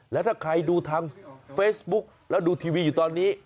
แล้วถ้าใครดูทางเฟซบุ๊กแล้วดูทีวีอยู่ตอนนี้